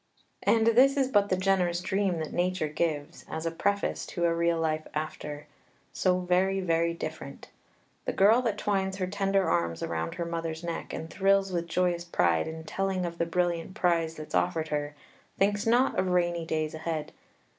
And this is but the generous dream that Nature gives, as a preface to a real life after, so very, very different. The girl that twines her tender arms around her mother's neck, and thrills with joyous pride in telling of the brilliant prize that's offered her, thinks not of rainy days ahead.